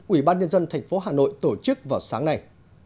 ủy ban nhân dân thành phố hà nội tổ chức vào sáng nay